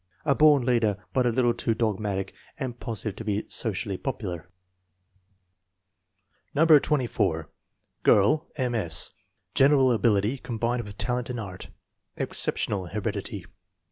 "A born leader, but a little too dogmatic and positive to be socially popular." No. 24. Girl: M. S. General ability, combined with talent in art. Exceptional heredity.